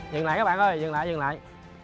dừng lại các bạn ơi dừng lại dừng lại